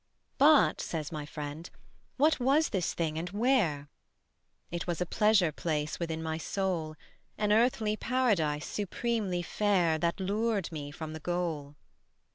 "But," says my friend, "what was this thing and where?" It was a pleasure place within my soul; An earthly paradise supremely fair That lured me from the goal.